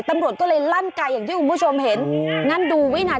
ตำรวจก็เลยลั่นไกลอย่างที่คุณผู้ชมเห็น